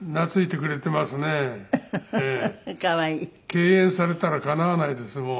敬遠されたらかなわないですもう。